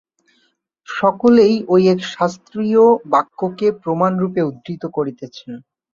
সকলেই ঐ এক শাস্ত্রীয় বাক্যকেই প্রমাণরূপে উদ্ধৃত করিতেছেন।